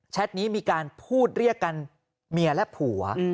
นี้มีการพูดเรียกกันเมียและผัว